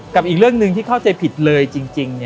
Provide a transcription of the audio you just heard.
อีกเรื่องหนึ่งที่เข้าใจผิดเลยจริง